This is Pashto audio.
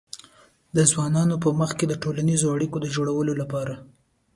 د ځوانانو په منځ کې د ټولنیزو اړیکو د جوړولو لپاره